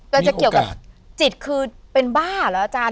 จะเกี่ยวกับจิตคือเป็นบ้าเหรออาจารย์